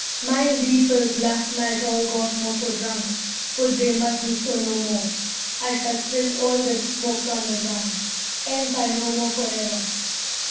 "Mine beoples last night all got more so drunk; put dey must do so no more. I shall spill all de smokes on the ground, and puy no more forever."